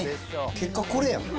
結果これやん。